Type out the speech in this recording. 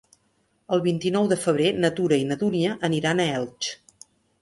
El vint-i-nou de febrer na Tura i na Dúnia aniran a Elx.